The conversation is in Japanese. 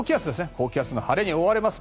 高気圧の晴れに覆われます。